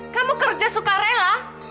kamu kerja suka rela